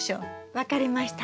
分かりました。